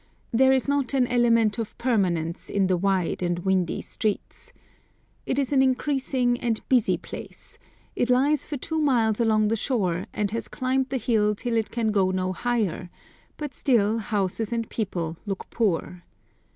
There is not an element of permanence in the wide, and windy streets. It is an increasing and busy place; it lies for two miles along the shore, and has climbed the hill till it can go no higher; but still houses and people look poor.